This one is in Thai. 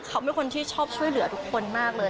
เขาเป็นคนที่ชอบช่วยเหลือทุกคนมากเลย